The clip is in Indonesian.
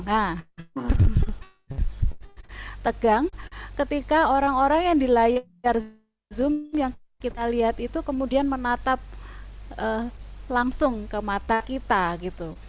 nah tegang ketika orang orang yang di layar zoom yang kita lihat itu kemudian menatap langsung ke mata kita gitu